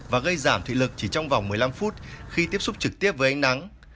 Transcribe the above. và gây giảm thị lực chỉ trong vòng một mươi năm phút khi tiếp xúc trực tiếp với ánh nắng